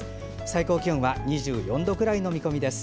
最高気温は２４度くらいの見込みです。